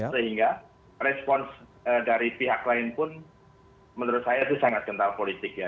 sehingga respons dari pihak lain pun menurut saya itu sangat kental politik ya